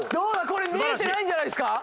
これ見えてないんじゃないですか？